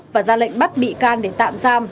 và ra lệnh bắt bị can để tạm giam